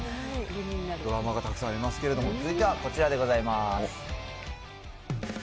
ドラマがたくさんありますけれども、続いてはこちらでございます。